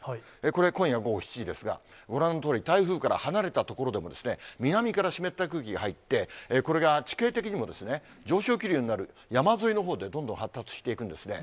これ、今夜午後７時ですが、ご覧のとおり、台風から離れた所でも、南から湿った空気が入って、これが地形的にも上昇気流になる山沿いのほうで、どんどん発達していくんですね。